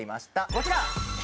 こちら！